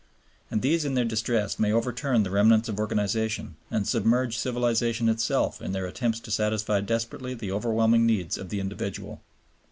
And these in their distress may overturn the remnants of organization, and submerge civilization itself in their attempts to satisfy desperately the overwhelming needs of the individual.